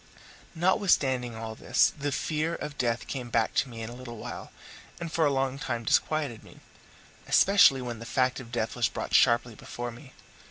Notwithstanding all this, the fear of death came back to me in a little while, and for a long time disquieted me, especially when the fact of death was brought sharply before me.